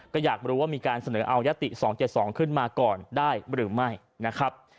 ก็อยากรู้ว่ามีการเสนอเอายติ๒๗๒ขึ้นมาก่อนได้หรือไม่นะครับ